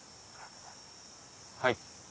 はい。